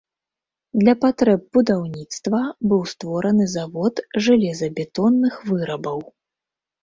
Для патрэб будаўніцтва быў створаны завод жалезабетонных вырабаў.